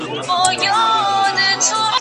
هغه وويل چي جواب ورکول مهم دي..